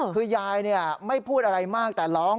คือยายไม่พูดอะไรมากแต่ร้อง